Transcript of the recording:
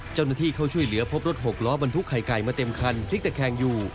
เจ้าหน้าที่เข้าช่วยเหลือพบรถหกล้อบรรทุกไข่ไก่มาเต็มคันพลิกตะแคงอยู่